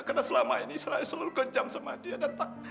karena selama ini saya selalu kejam sama dia